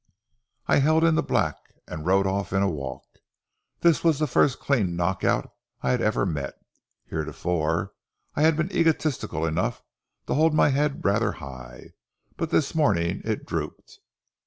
I held in the black and rode off in a walk. This was the first clean knock out I had ever met. Heretofore I had been egotistical enough to hold my head rather high, but this morning it drooped.